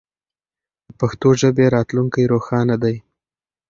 د پښتو ژبې راتلونکی روښانه دی.